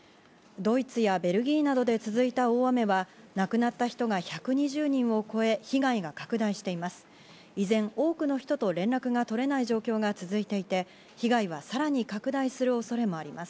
ドイツやベルギーなどで続いた大雨は亡くなった人が１２０人を超え、被害が拡大しています。